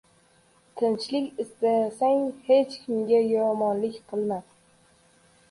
— Tinchlik istasang, hech kimga yomonlik qilma.